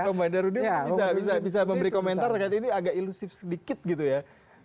komander rudin bisa memberi komentar ini agak ilusif sedikit gitu ya